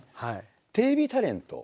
テレビタレント。